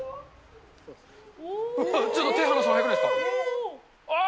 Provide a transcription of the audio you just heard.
ちょっと手離すの、早くないですか。